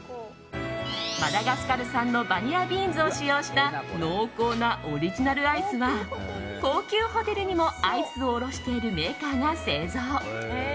マダガスカル産のバニラビーンズを使用した濃厚なオリジナルアイスは高級ホテルにもアイスを卸しているメーカーが製造。